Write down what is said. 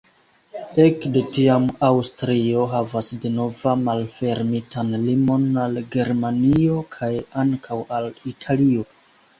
Ekde tiam Aŭstrio havas denova malfermitan limon al Germanio kaj ankaŭ al Italio.